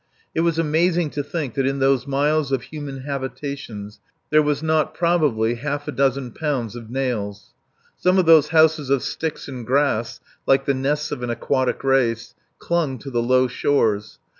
It was amazing to think that in those miles of human habitations there was not probably half a dozen pounds of nails. Some of those houses of sticks and grass, like the nests of an aquatic race, clung to the low shores.